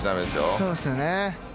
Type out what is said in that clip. そうですよね。